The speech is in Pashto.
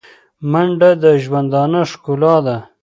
منډه د ژوندانه ښکلا ده